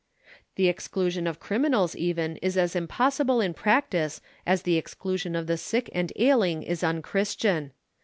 The exclusion of criminals even is as impossible in practice as the exclusion of the sick and ailing is unchristian.